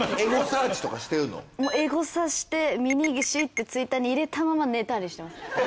エゴサして「峯岸」ってツイッターに入れたまま寝たりしてますね。